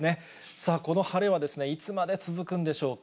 さあ、この晴れはいつまで続くんでしょうか。